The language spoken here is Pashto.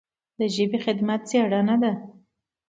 د ژبې خدمت څېړنه ده.